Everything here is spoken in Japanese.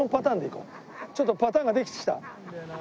ちょっとパターンができてきた。